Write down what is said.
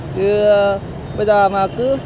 chứ bây giờ mà cứ